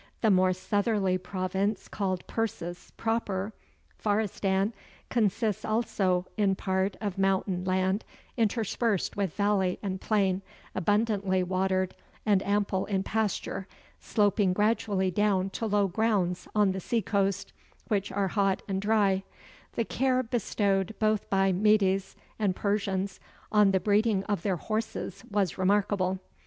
The more southerly province called Persis proper (Faristan) consists also in part of mountain land interspersed with valley and plain, abundantly watered, and ample in pasture, sloping gradually down to low grounds on the sea coast which are hot and dry: the care bestowed both by Medes and Persians on the breeding of their horses was remarkable.